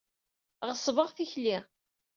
Ɣeṣbeɣ tikli.